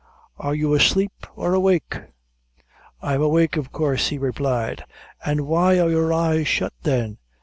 Are you asleep or awake?" "I'm awake, of coorse," he replied. "An' why are your eyes shut then?